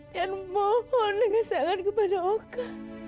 yang memohon dengan sangat kepada oka